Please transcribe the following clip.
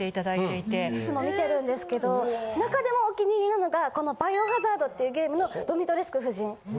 いつも見てるんですけど中でもお気に入りなのがこの『バイオハザード』っていうゲームのドミトレスク夫人。